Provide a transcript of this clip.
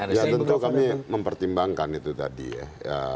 ya tentu kami mempertimbangkan itu tadi ya